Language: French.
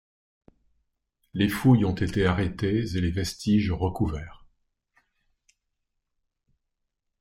Les fouilles ont été arrêtées et les vestiges recouverts.